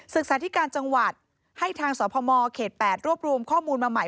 ศึกษาธิการจังหวัดให้ทางสพมเขต๘รวบรวมข้อมูลมาใหม่